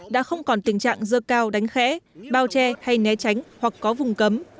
đã không còn tình trạng dơ cao đánh khẽ bao che hay né tránh hoặc có vùng cấm